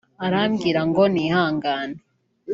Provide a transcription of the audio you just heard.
arambwira ngo nihangane